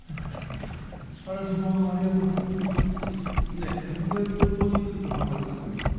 ねえ卵焼きと豆乳スープパパ作ってもいい？